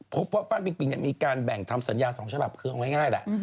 เพราะฟ้านปิงปิงยังมีการแบ่งทำสัญญาสองฉบับเครื่องง่ายแหละ